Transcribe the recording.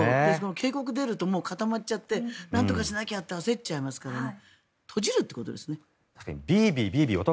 警告が出ると固まっちゃってなんとかしなきゃって焦っちゃいますからね。